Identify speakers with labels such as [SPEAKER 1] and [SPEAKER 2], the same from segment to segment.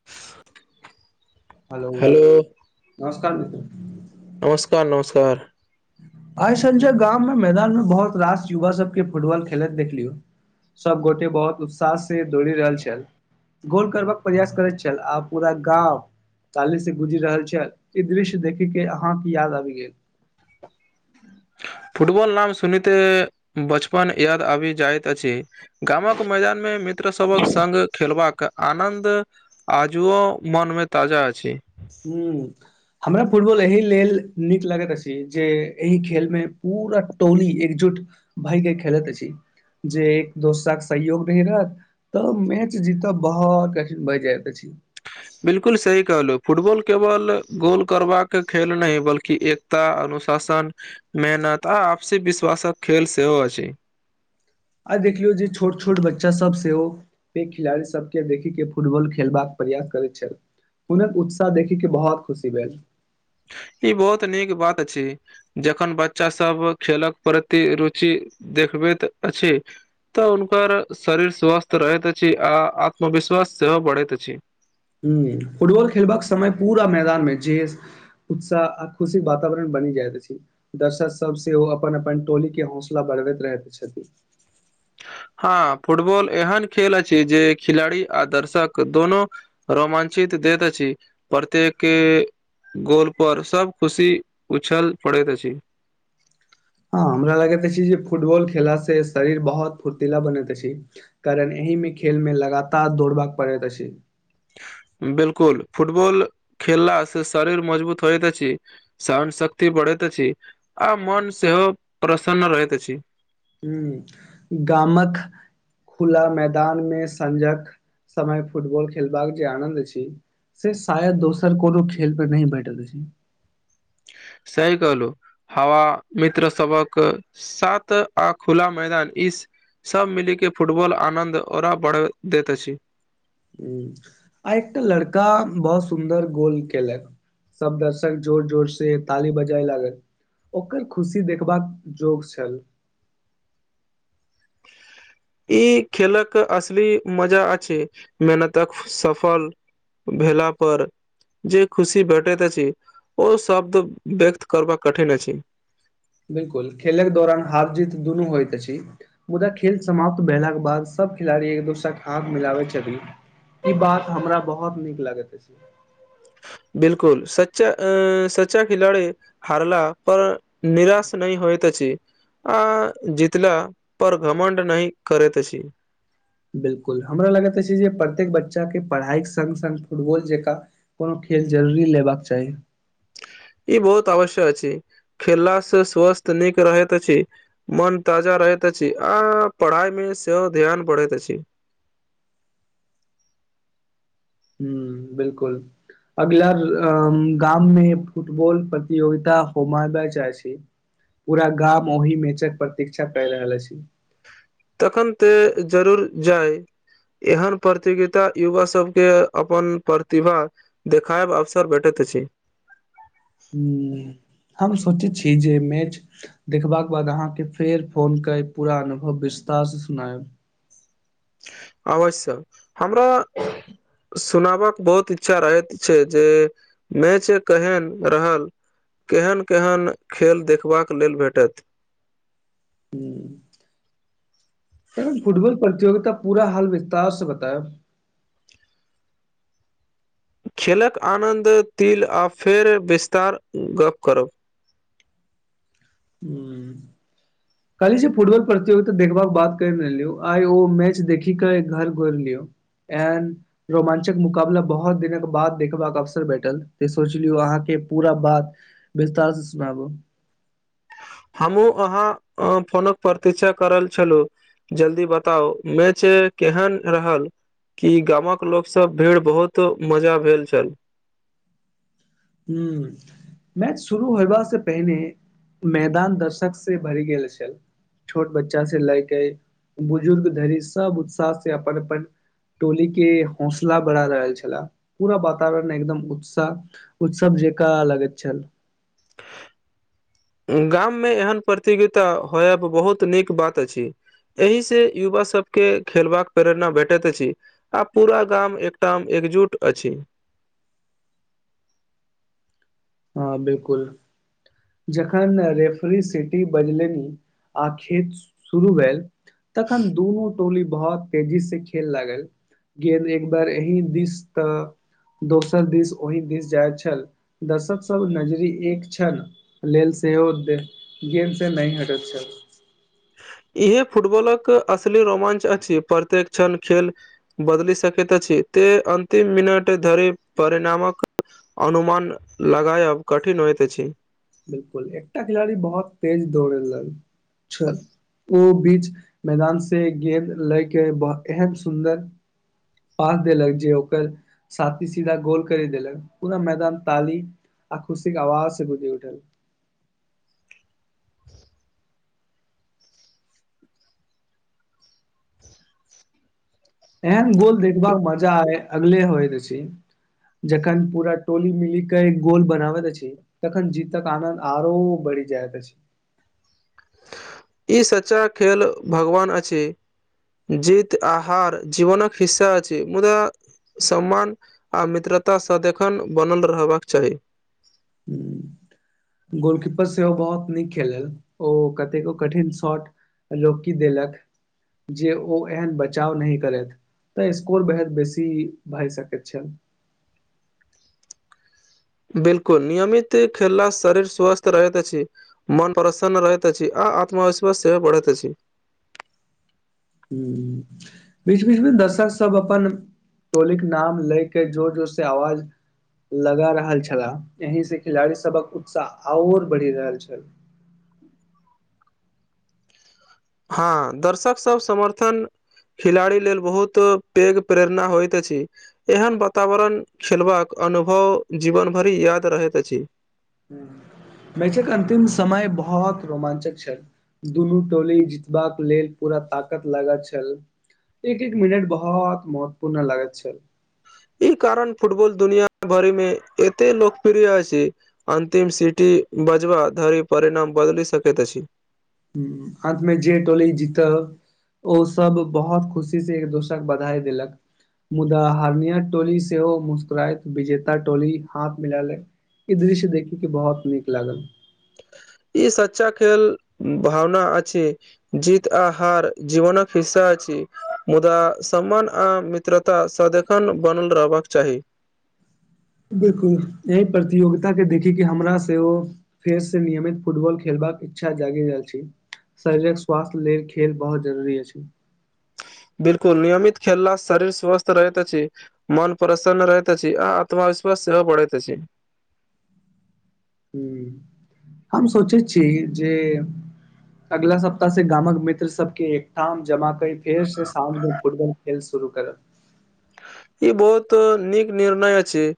[SPEAKER 1] आ।
[SPEAKER 2] हेलो, नमस्कार मित्र।
[SPEAKER 1] नमस्कार, नमस्कार।
[SPEAKER 2] आई संजय गाम मे मैदानमे बहुत रास युवा सभके फुटबॉल खेलत देखलियौ। सभ गोटे बहुत उत्साह से दौड़ि रहल छल। गोल करबाक प्रयास करैत छल आ पूरा गाव। काले से गुजरि रहल छै, ई दृश्य देखे के अहाँकेँ याद आबि गेल।
[SPEAKER 1] फुटबॉल नाम सुनिते बचपन याद आबि जाइत अछि। गाम कऽ मैदानमे मित्रसभक सङ्घ खेलबाक आनन्द आजुओ मोन मे ताजा अछि।
[SPEAKER 2] हू। हमरा फुटबॉल एहि लेल निक लगैत अछि, जे एहि खेलमे पूरा टोली एकजुट। भायके खेलैत अछि, जे एक दोसरा सँ सहयोग रही रहत तऽ मैच जीतब बाहा कन बाज जायइत अछि।
[SPEAKER 1] बिल्कूल सही कहलहु फुटबॉल केवल गोल करबाक खेल नहि बल्कि एक। अनुशासन मेहनत आ आपसी विश्वास खेल सेहो अछि।
[SPEAKER 2] आ देखियौ जे छोट छोट बच्चा सभ सेहो। एक खेलाड़ी सभके देखिक के फुटबॉल खेलबाक प्रयास करैत छल। हुन कऽ उत्साह देखे के बहुत खुशी भेल
[SPEAKER 1] ई बहुत निक बात छै। जेखन बच्चा सभ खेलक प्रति रुचि देखबैत अछि। तऽ हुनकर शरीर स्वस्थ रहैत अछि, आ आत्मविश्वास सेहो बढ़ैत अछि।
[SPEAKER 2] ह फुटबॉल खेलबाक समय पूरा मैदान मे जे उत्साह आ खुशी वातावरण बनि जाइत अछि। दर्शक सभसे ओ अपन अपन टोलीके हौसला बढ़बैत रहैत छैल।
[SPEAKER 1] हँ फुटबॉल एहन खेल अछि जे खिलाड़ी आ दर्शक दोनो रोमांचिक देैत अछि प्रत्येकके गोल पर सब खुशी उछल पड़ैत अछि
[SPEAKER 2] हँ हमरा लगैत अछि जे फुटबॉल खेलासे से शरीर बहुत फुर्तीला बनैत अछि कारण एहि मे खेल मे लगातार दौड़बाक पड़ैत अछि
[SPEAKER 1] बिल्कुल फुटबल खेलला से शरीर मजबूत होइत अछि सहन शक्ति बढ़ैत अछि आ मन सेहो प्रसन्न रहैत अछि
[SPEAKER 2] ह्म गामक खुला मैदान मे संजक समय फुटबॉल खेलबाक जे आनन्द छि से शायद दोसर कोनो खेल मे नहि भेटल अछि
[SPEAKER 1] सही कहलु हवा मित्र सबक सात आ खुला मैदान इस सब मिली के फुटबॉल आनंद ओरा बढ़ल दैत अछि
[SPEAKER 2] आई एकटा लड़का बहुत सुन्दर गोल केलक सब दर्शक जोर जोर से ताली बजाए लागल ओकर खुशी देखबाक योग छल
[SPEAKER 1] ई खेलक असली मजा अछि मेहनतक सफल भेला पर जे खुशी भेटैत अछि ओ शब्द व्यक्त करबाक कठिन अछि
[SPEAKER 2] बिलकुल खेलके दौरान हार जीत दुनू होयइत अछि मुदा खेल समाप्त भेलाके बाद सब खेलाड़ी एक दोसरा के हाथ मिलाबे छथि ई बात हमरा बहुत नीक लागैत अछि
[SPEAKER 1] बिल्कुल सच्चा अ सच्चा खिलाड़ी हारला पर निराश नहि होइत अछि आ जीतला पर घमण्ड नहि करेैत अछि
[SPEAKER 2] बिल्कुल हमरा लगैत अछि जे प्रत्येक बच्चाके पढ़ाईके संग संग फुटबॉल जकाँ कोनो खेल जरूरी लेबाक चाहि
[SPEAKER 1] ई बहुत अवश्य्यक अछि खेललास से स्वस्थ नीक रहैत अछि मन ताजा रहैत अछि आ पढ़ाई मे सेहो ध्यान बढ़ैत अछि
[SPEAKER 2] ह बिल्कुल अगला गाममे फुटबॉल प्रतियोगिता होम ब जाइ छै पूरा गाम ओहि मेचक प्रतीक्षा कर रहल अछि
[SPEAKER 1] तखन तऽ जरूर जाए एहन प्रतियोगिता युवा सबके अपन प्रतिभा देखायब अवसर बैठैत त छी
[SPEAKER 2] ह हम सोचै छी जे मैच देखबाक बाद अहाँके फेर फोन के पूरा अनुभव विस्तार से सुनाय
[SPEAKER 1] अवश्य हमरा सुनाबक बहुत इच्छा रहैत छै जे में छै केहन रहल केहन केहन खेल देखबाक लेल भेटत
[SPEAKER 2] हू त फुटबॉल प्रतियगित पूरा हाल विस्तार से बताब
[SPEAKER 1] खेलक आनन्द तिल आ फेर विस्तार गप करब
[SPEAKER 2] हू [inaudible] कहली जे फुटबॉल प्रतियोगिता देखबाक बात कर रहलिय आइ ओ मैच देखी के घर घोर लियो एन रोमाञ्चक मुकाबला बहुत दिनक बाद देखबाक अवसर बेठल तऽ सोचलियौ अहाँके पूरा बात बिस्तारसे सुनाबो
[SPEAKER 1] हमहुँ अहाँ फोनक प्रतीक्षा कऽ रहल छलु जल्दी बताउ मेच केहन रहल की गामक लोक सब भीड़ बहुत मजा भेल छल
[SPEAKER 2] हूंम्म मैच शुरू होयबा से पहिने मैदान दर्शक से भरि गेल छल छोट बच्चा से लएके बुजुर्ग धरि सब उत्साह से अपन अपन टोली के हौसला बढ़ा रहल छला पूरा वातावरण एकदम उत्साह उत्सव जेका लगैत छल [inaudible]
[SPEAKER 1] गाम मे एहन प्रतिगिता होएब बहुत नीक बात अछि एहि से युवा सबके खेलबाक प्रेरणा भेटैत अछि आ पूरा गाम एकटाम एकजुट अछि
[SPEAKER 2] हँ बिल्कुल जखन रेफरी सिटी बजलनि आ खेत शुरू भेल तखन दुनू टोली बहुत तेजी से खेल लागल गेन्द एक बार एही दिस तऽ दोसर दिस ओहि दिस जाइ छल दर्शक सब नजरी एक छल लेल सेहो देख गेम से नै हटैत छल
[SPEAKER 1] इहे फुटबॉलक असली रोमाञ्च अछि प्रत्येक क्षण खेल बदली सकैत अछी ते अतिम मिनट धरी परिणामक अनुमान लगायब कठिन होइत अछि
[SPEAKER 2] बिल्कुल एकटा खिलाड़ी बहुत तेज दौड़लन [unintelligible] ओ बीच मैदान से गेंद लै के बह एहन सुन्दर पास देलक जे ओकर साथी सीधा गोल करी देलक पूरा मैदान ताली आ खुशी के आवाज से गुंजी उठल एहन गोल देखबाक मजा आय अगले होइत अछि जखन पूरा टोली मिली के एक गोल बनाबत अछि तखन जीतक आनन्द आरो बढ़ि जायत अछि
[SPEAKER 1] ई सच्चा खेल भगवान अछि जित आ हार जीवनक हिस्सा अछि मुदा सम्मान आ मित्रता सदिखन बनल रहबाक चाही
[SPEAKER 2] हम्म, गोलकीपर सेहो बहुत नीक खेलल ओ कतेको कठिन शॉट रोकि देलक जे ओ एहन बचाव नहि करैथ तऽ स्कोर बेहद बेसी भए सकैत छल
[SPEAKER 1] बिल्कुल नियमित खेलला शरीर स्वस्थ रहैत अछि मन प्रसन्न रहैत अछि आ आत्मविश्वास सेहो बढ़ैत अछि
[SPEAKER 2] हूंम्म बीच बीचमे दर्शक सब अपन टोलीक नाम लै के जोर जोर से आवाज लगा रहल छला एहि से खिलाड़ी सबक उत्साह आओर बढ़ि रहल छल
[SPEAKER 1] हँ दर्शकसभ समर्थन खिलाड़ी लेल बहुत पैघ प्रेरणा होइत अछि एहन वातावरण खेलबाक अनुभव जीवन भरि याद रहैत अछि
[SPEAKER 2] [unintelligible] मैच एक अंतिम समय बहौत रोमाचक छल दुनू टोली जीत बाक लेल पूरा ताकत लागा छल एक एक मिनट बहु महत्वपूर्ण लाग छल
[SPEAKER 1] ई कारण फुटबल दुनिया भरिमे एतेक लोकप्रिय अछि अन्तिम सिटी बजब धरी परिणाम बदल सक अछि
[SPEAKER 2] हूं अंत मे जे टोली जीतब ओ सब बहुत खुशी से एक दोसर बधाई देलक मुदा हरनिया टोली सेहो मुस्करात विजेता टोली हाथ मिल लै ई दृश्य देखी के बहौत नीक लागल
[SPEAKER 1] ई सच्चा खेल भावना अछि जीत आ हार जीवनक हिस्सा अछि मुदा सम्मान आ मित्र सदिखन बनल रहबाक चाहि
[SPEAKER 2] बिल्कुल यह प्रतियोगिता के देखी क हमरा से ओ फेर से नियमित फुटबल खेलबाक इच्छा जगि जा छै शरीर के स्वास्थ्य लेल खेल बहुत जरूरी अछि
[SPEAKER 1] बिल्कुल नियमित खेलला शरीर स्वस्थ रहैत अछि मन प्रसन्न रहैत अछी आ आत्मविश्वास सेहो बढ़ैइत अछि
[SPEAKER 2] [inaudible] हम सोचै छी जे अगला सप्ताह से गामक मित्र सबके एकठाम जमा कर फेर से साँझ मे फुटबॉल खेल शुरू करब
[SPEAKER 1] ई बहुत नीक निर्णय अछि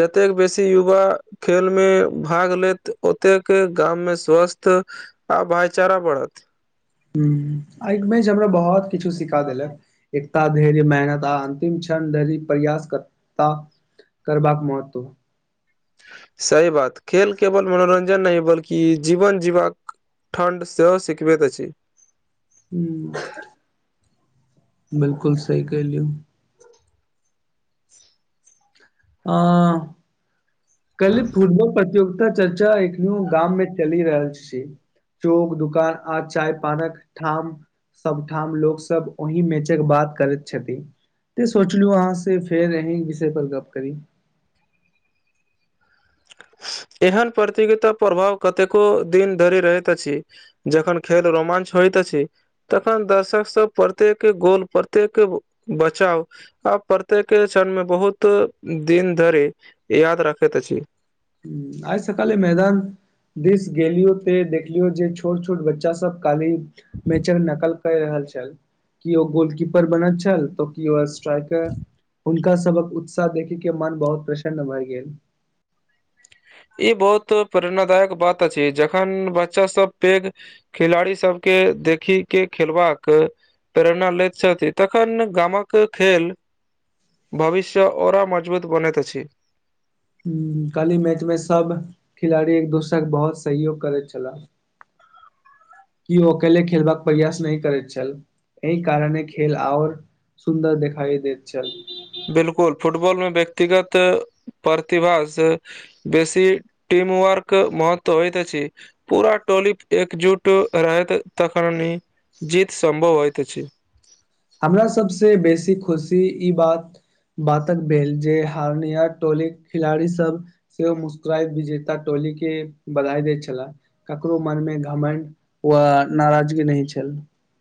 [SPEAKER 1] जतेक बेसी युवा खेल मे भाग लेत ओतेक गाम मे स्वस्थ आ भाइचारा बढ़त
[SPEAKER 2] आइ क बैच हमरा बहुत किछु सिखा देलक एकता धैर्य मेहनत आ अन्तिम क्षण धरी प्रयासकता करबाक महत्व
[SPEAKER 1] सही बात खेल केवल मनोरंजन नहि बल्कि जीवन जीबाक ठण्ड सेहो सिखबैत अछि
[SPEAKER 2] हूं [inaudible] बिल्कुल सही कहलियौ [unintelligible] कली फुटबॉल प्रतियोगिता चर्चा एखनो गाम मे चलि रहल छी चौक दुकान आ चाय पानक ठाम सबठाम लोक सब ओहि मैचक बात करै छथि त सोचलहु अहाँ से फेर अही विषय पर गप्प करी
[SPEAKER 1] एहन प्रतियोगिता प्रभाव कतेको दिन धरि रहैत अछि जखन खेल रोमांच होत छी तखन दर्शक सब प्रत्येक के गोल प्रत्येक के बचााव आब प्रत्येक के क्षण मे बहुत दिन धरि याद रखैत अछि
[SPEAKER 2] आइ सकाले मैदान दिस गेलियो ते देखलियो जे छोट छोट बच्चा सब काली [inaudible] मैंच नकल क रहल छल कि ओ गोलकीपर बनल छल तऽ कि ओ स्ट्राइकर हुनका सबक उत्साह देखी के मन बहुत प्रसन्न भए गेल
[SPEAKER 1] ई बहुत प्रेरणादायक बात अछि जखन बच्चा सब पेघ खेलाड़ी सबके देखी के खेलबाक प्रेरणा लैत छथि तखन गामक खेल भविष्य ओरा मजबूत बनैत अछि
[SPEAKER 2] हूं काल्हि मैच मे सब खेलाड़ी एक दोसरा के बहौत सहयोग करैत छलाह कि ओ अकेले खेलबाक प्रयास नहि करैत छल एहि कारणे खेल आओर सुन्दर देखाइ देत छल
[SPEAKER 1] बिल्कुल फुटबॉल मे व्यक्तिगत प्रतिभा से बेसी टिम वर्क के महत्व होइत छै पूराटोलप एकजूट रहत तखनी जीत संभव होइतइत छै
[SPEAKER 2] हमरा सभसँ बेसी खुशी ई बात बातक भेल जे हारनिया टोलिक खिलाड़ी सब से मुस्कराइत विजेता टोली के बधाई दैत छलाह ककरो मन मे घमंड व नाराजगी नहि छल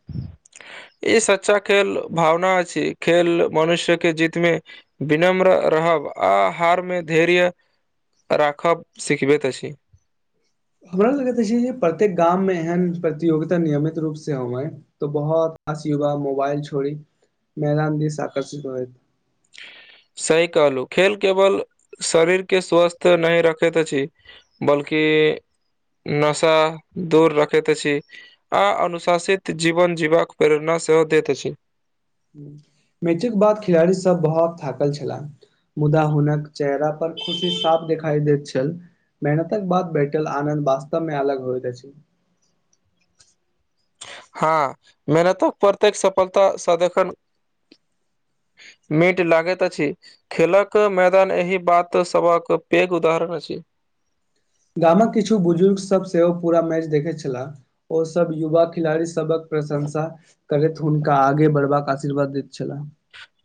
[SPEAKER 2] [unintelligible]
[SPEAKER 1] ई सच्चा खेल भावना अ छै खेल मनुष्य के जितमे विनम्र रहब आ हहार मे धैर्य राखब सिखबैत अछि
[SPEAKER 2] हमरा लगैत अछि जे प्रत्येक गाममे एहन प्रतियोगिता नियमित रूपसँ होवै त बहौत खास युवा मोबाइल छोड़ी मैदान दी से आकर्षित होए
[SPEAKER 1] सही कहलु खेल केवल शरीर के स्वस्थ नहि रखैत अछि बल्कि नशा दूर रखैत अछि आ अनुशासित जीवन जीवबाक प्रेरणा सेहो दैत अछि
[SPEAKER 2] मैचक बाद खिलाड़ी सब बहौत थाकल छलै मुदा हुनक चेहरा पर खुशी साफ दिखाई देैत छलाह मेहनतक बाद बैठल आनन्द वास्तव मे अलग होइत अछि
[SPEAKER 1] हँ मेहनतक प्रत्येक सफलता सदन मीट लागैत अछि खेलक मैदान एहि बात सभक पेघ उदाहरण अछि
[SPEAKER 2] गामक किछु बुजुर्गसभ सेहो पूरा मैच देखै छलै ओ सब युवा खिलाड़ी सबक प्रशंसा करैत हुनका आगे बढ़बाक आशीर्वाद दैत छलाह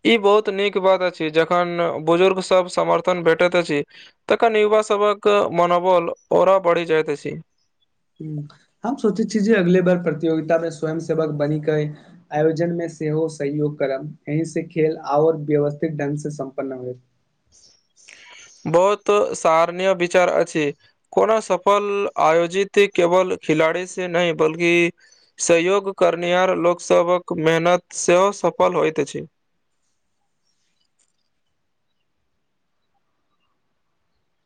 [SPEAKER 1] ई बहुत नीक बात अछि जखन बुजुर्ग सब समर्थन भेटैत अछि तक नवा सबवक मनोबल ओरा बढ़ि जाइत अछि
[SPEAKER 2] ह हम सोचै छियै जे अगले बार प्रतियगिता मे स्वयं सेवक बनी के आयोजन मे सेहो सहयोग करब यी से खेल आओर व्यवस्थित ढ्ंग से सम्पन्न होय [unintelligible]
[SPEAKER 1] बहुत सराहणीय विचार अछि कोना सफल आयोजित केवल खिलाड़ी से नहि बल्कि सहयोग करनिहार लोकसभक मेहनत सेहो सफल होइत अछि